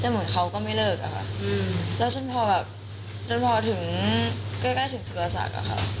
แต่เหมือนเขาก็ไม่เลิกอะค่ะแล้วจนพอแบบจนพอถึงใกล้ถึงสุรศักดิ์อะค่ะ